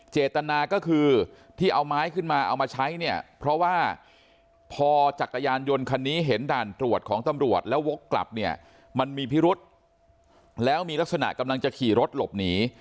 เจตนาก็คือที่เอาไม้ขึ้นมาเอามาใช้เนี่ยเพราะว่าพอจักรยานยนต์คันนี้เห็นด่านตรวจของตำรวจแล้ววกกลับเนี่ยมันมีพิรุษแล้วมีลักษณะกำลังจะขี่รถหลบหนี